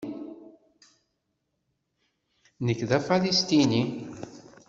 Nekk d Afalesṭini.